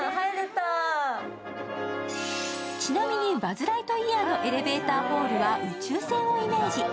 ちなみにバズ・ライトイヤーのエレベーターホールは宇宙船をイメージ。